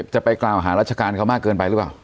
จะไปกล่าวหาราชการเขามากเกินไปหรือเปล่า